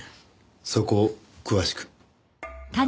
そこを詳しく。